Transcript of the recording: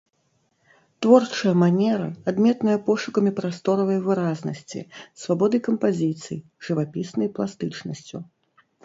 Творчая манера адметная пошукамі прасторавай выразнасці, свабодай кампазіцый, жывапіснай пластычнасцю.